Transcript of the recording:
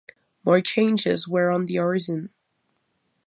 More changes were on the horizon.